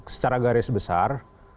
secara garis besar